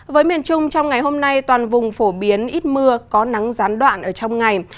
với miền trung trong ngày hôm nay toàn vùng phổ biến ít mưa có nắng gián đoạn ở trong ngày